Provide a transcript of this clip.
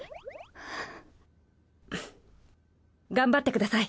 頑張ってください。